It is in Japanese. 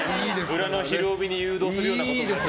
裏の「ひるおび！」に誘導するようなことを。